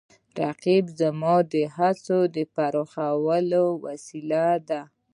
رقیب زما د هڅو د پراخولو وسیله ده